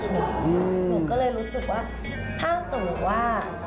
หนูก็เลยรู้สึกว่าถ้าสมมุติว่า